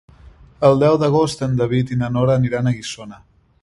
El deu d'agost en David i na Nora aniran a Guissona.